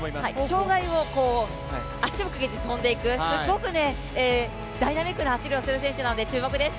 障害を、足をかけて跳んでいくすごいダイナミックな走りをする選手なので注目です。